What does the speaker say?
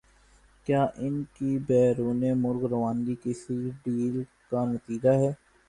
کیا ان کی بیرون ملک روانگی کسی ڈیل کا نتیجہ ہے؟